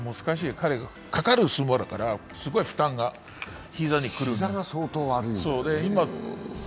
彼、かかる相撲だから、すごい負担が膝に来る。